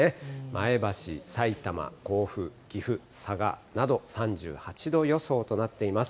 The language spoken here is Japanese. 前橋、さいたま、甲府、岐阜、佐賀など３８度予想となっています。